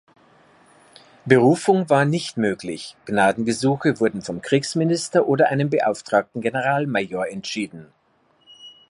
Berufung war nicht möglich; Gnadengesuche wurden vom Kriegsminister oder einem beauftragten Generalmajor entschieden.